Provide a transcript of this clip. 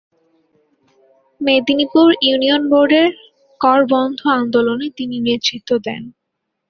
Medinipur union বোর্ডের কর-বন্ধ আন্দোলনে তিনি নেতৃত্ব দেন।